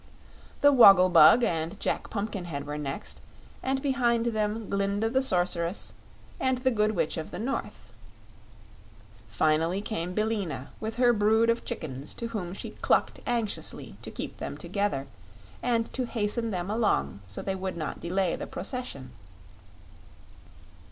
The Woggle Bug and Jack Pumpkinhead were next, and behind them Glinda the Sorceress and the Good Witch of the North. Finally came Billina, with her brood of chickens to whom she clucked anxiously to keep them together and to hasten them along so they would not delay the procession.